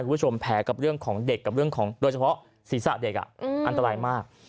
แผลกับเรื่องของเด็กกับเรื่องของโดยเฉพาะศีรษะเด็กอันตรายมาก